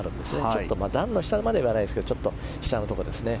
ちょっと段の下ではないですけどちょっと下のところですね。